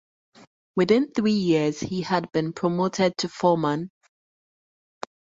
Within three years he had been promoted to foreman.